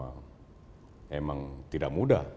memang tidak mudah